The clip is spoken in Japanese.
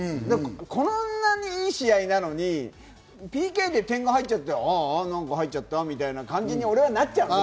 こんなにいい試合なのに、ＰＫで点が入っちゃって、入っちゃったみたいになっちゃうの。